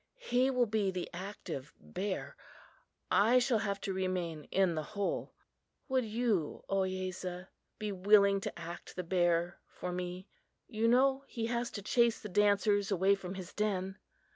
He will be the active bear I shall have to remain in the hole. Would you, Ohiyesa, be willing to act the bear for me? You know he has to chase the dancers away from his den."